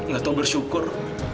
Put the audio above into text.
gak tau bersyukur